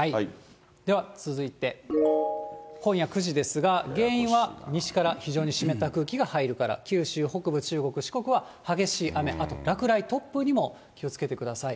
では続いて、今夜９時ですが、原因は西から非常に湿った空気が入るから、九州北部、中国、四国は激しい雨、あと落雷、突風にも気をつけてください。